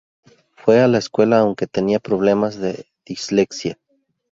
Fue a la escuela aunque tenía problemas de dislexia.